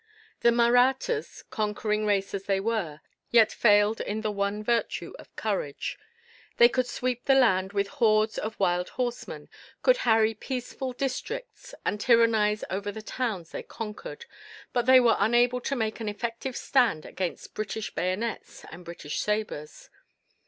The Mahrattas, conquering race as they were, yet failed in the one virtue of courage. They could sweep the land with hordes of wild horsemen, could harry peaceful districts and tyrannize over the towns they conquered; but they were unable to make an effective stand against British bayonets and British sabres.